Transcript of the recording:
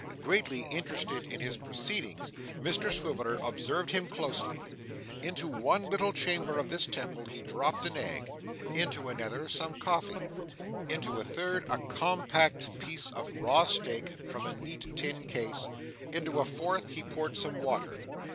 Greatly interested in his proceedings, Mr Swiveller observed him closely. Into one little chamber of this temple, he dropped an egg; into another some coffee; into a third a compact piece of raw steak from a neat tin case; into a fourth, he poured some water.